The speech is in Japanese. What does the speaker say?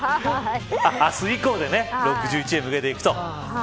明日以降で６１へ向けていくと。